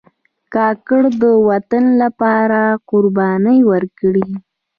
کاکړ د وطن لپاره قربانۍ ورکړي.